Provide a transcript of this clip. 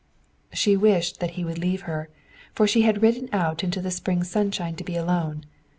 She wished that he would leave her, for she had ridden out into the spring sunshine to be alone.